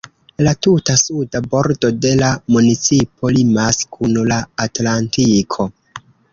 La tuta suda bordo de la municipo limas kun la Atlantiko.